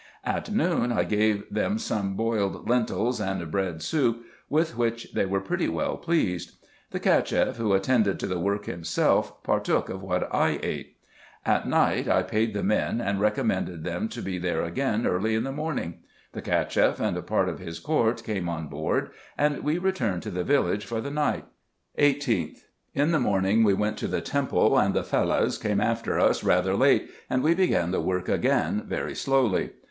At noon I gave them some boiled lentils, and bread soup, with which they were pretty well pleased. The Cacheff, who attended to the work himself, partook of what I ate. At night I paid the men, and recommended them to be there again early in the morning. The Cacheff and part of his court came on board, and we returned to the village for the night. 18th. — In the morning we went to the temple, and the Fellahs came after us rather late, and we began the work again very slowly.